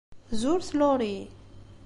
Zuret Laurie?